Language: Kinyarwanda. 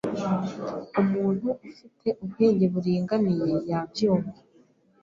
Umuntu ufite ubwenge buringaniye yabyumva.